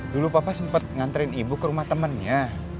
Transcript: dulu papa sempet nganterin ibu ke rumah temennya